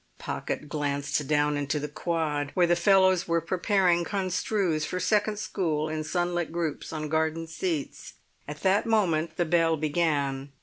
Pocket glanced down into the quad, where the fellows were preparing construes for second school in sunlit groups on garden seats. At that moment the bell began.